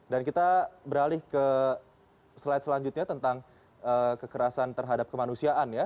dan kita beralih ke slide selanjutnya tentang kekerasan terhadap kemanusiaan ya